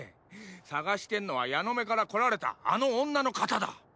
捜してんのはヤノメから来られたあの女の方だ。